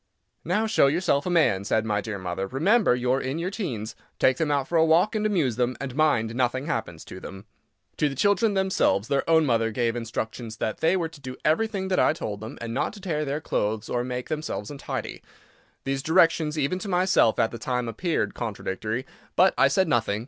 "Now, show yourself a man," said my dear mother, "remember you are in your teens. Take them out for a walk and amuse them; and mind nothing happens to them." To the children themselves their own mother gave instructions that they were to do everything that I told them, and not to tear their clothes or make themselves untidy. These directions, even to myself, at the time, appeared contradictory. But I said nothing.